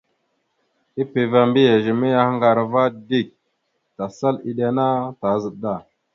Epeva mbiyez a mayahaŋgar ava dik, tasal iɗe ana tazaɗ da.